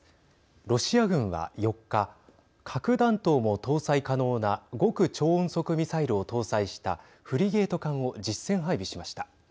ロシア軍は４日核弾頭も搭載可能な極超音速ミサイルを搭載したフリゲート艦を実戦配備しました。